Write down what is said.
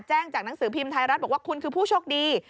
แจ้งจากหนังสือพิมพ์ไทยรัฐบอกว่าคุณคือผู้โชคดี